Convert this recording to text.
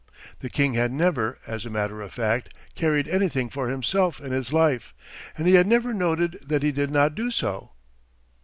The king had never, as a matter of fact, carried anything for himself in his life, and he had never noted that he did not do so.